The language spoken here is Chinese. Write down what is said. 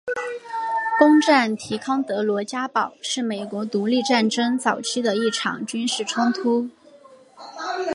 攻占提康德罗加堡是美国独立战争早期的一场军事冲突。